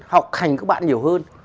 học hành của bạn nhiều hơn